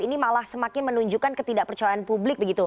ini malah semakin menunjukkan ketidakpercayaan publik begitu